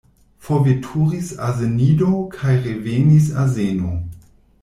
Forveturis azenido kaj revenis azeno.